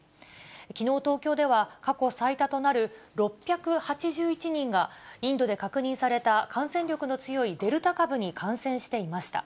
きのう東京では、過去最多となる６８１人が、インドで確認された感染力の強いデルタ株に感染していました。